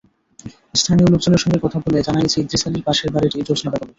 স্থানীয় লোকজনের সঙ্গে কথা বলে জানা গেছে, ইদ্রিস আলীর পাশের বাড়িটি জোসনা বেগমের।